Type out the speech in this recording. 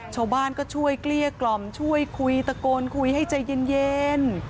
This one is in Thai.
ชาวบ้านก็ช่วยเกลี้ยกล่อมช่วยคุยตะโกนคุยให้ใจเย็น